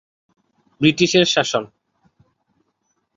ব্রিটিশের শাসন।